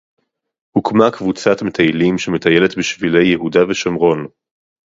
הוקמה קבוצת מטיילים שמטיילת בשבילי יהודה ושומרון